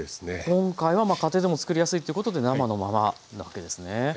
今回は家庭でも作りやすいということで生のままなわけですね。